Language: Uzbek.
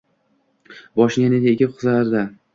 Boshini yanada egib, qizardi.